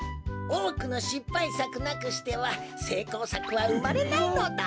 おおくのしっぱいさくなくしてはせいこうさくはうまれないのだ。